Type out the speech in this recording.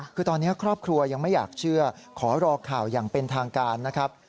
คือตอนนี้ครอบครัวยังไม่อยากเชื่อขอรอข่าวอย่างเป็นทางการนะครับ